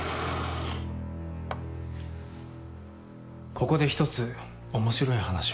ここで１つ面白い話を。